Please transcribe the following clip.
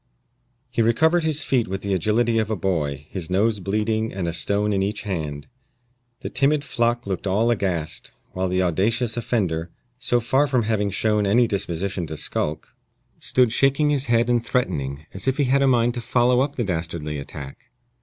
He recovered his feet with the agility of a boy, his nose bleeding and a stone in each hand. The timid flock looked all aghast, while the audacious offender, so far from having shown any disposition to skulk, stood shaking his head and threatening, as if he had a mind to follow up the dastardly attack.